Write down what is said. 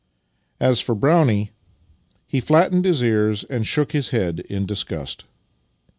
As for Brownie, he flattened his ears and shook his head in disgust.